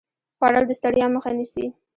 خوړل د ستړیا مخه نیسي